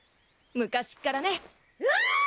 昔っからね。